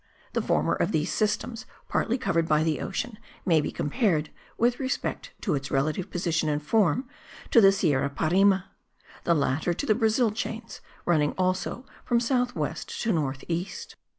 The former of these systems, partly covered by the ocean, may be compared, with respect to its relative position and form, to the Sierra Parime; the latter, to the Brazil chains, running also from south west to north east.